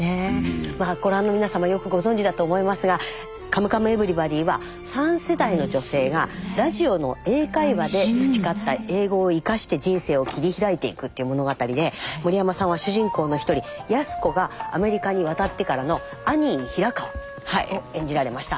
まあご覧の皆様よくご存じだと思いますが「カムカムエヴリバディ」は３世代の女性がラジオの英会話で培った英語を生かして人生を切り開いていくっていう物語で森山さんは主人公の一人安子がアメリカに渡ってからのアニー・ヒラカワを演じられました。